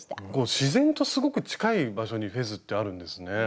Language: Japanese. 自然とすごく近い場所にフェズってあるんですね。